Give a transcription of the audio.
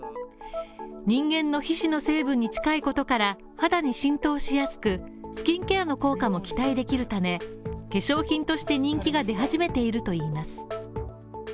人間の皮脂の成分に近いことから、肌に浸透しやすく、スキンケアの効果も期待できるため化粧品として人気が出始めているといいます